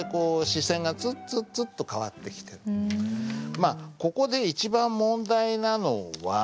まあここで一番問題なのは。